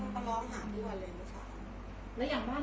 กระน้องห่าทุกวันเลยปุ้งพาย